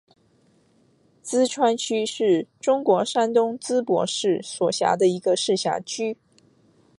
淄川区是中国山东省淄博市所辖的一个市辖区。